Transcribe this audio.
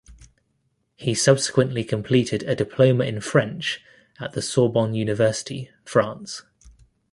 He subsequently completed a Diploma in French at the Sorbonne University, France.